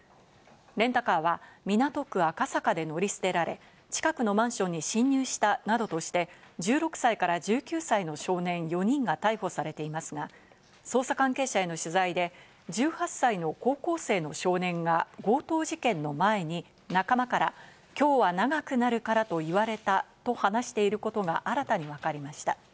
レンタカーは港区赤坂で乗り捨てられ、近くのマンションに侵入したなどとして、１６歳から１９歳の少年４人が逮捕されていますが、捜査関係者への取材で、１８歳の高校生の少年が強盗事件の前に仲間から、今日は長くなるからと言われたと話していることが新たに分かりました。